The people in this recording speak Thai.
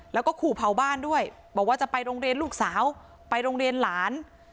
แล้วก็ขู่เผาบ้านด้วยบอกว่าจะไปโรงเรียนลูกสาวไปโรงเรียนหลาน